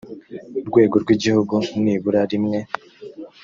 rwego rw igihugu nibura rimwe